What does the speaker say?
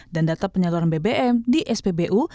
dan data penyaluran bbm di spbu